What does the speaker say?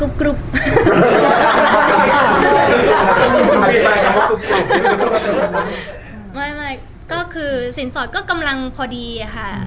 กรุบกรุบบ่อยไม่ก็คือสินสอดก็กำลังพอดีอ่ะฮะ